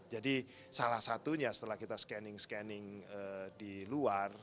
jadi salah satunya setelah kita scanning scanning di luar